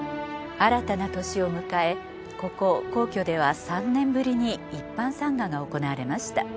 新たな年を迎えここ皇居では３年ぶりに一般参賀が行われました。